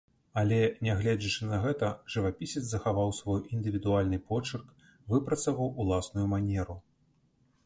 Але, нягледзячы на гэта, жывапісец захаваў свой індывідуальны почырк, выпрацаваў уласную манеру.